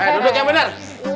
kayak duduk yang bener